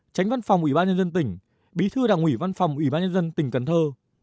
tránh văn phòng ủy ban nhân dân tỉnh bí thư đảng ủy văn phòng ủy ban nhân dân tỉnh cần thơ